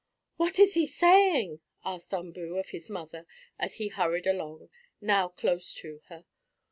"What is he saying?" asked Umboo of his mother, as he hurried along, now close to her.